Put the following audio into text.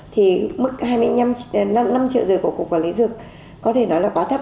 thì mức hai mươi năm triệu năm triệu rưỡi của cục quản lý dược có thể nói là quá thấp